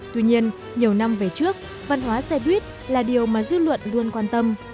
tuy nhiên nhiều năm về trước văn hóa xe buýt là điều mà dư luận luôn quan tâm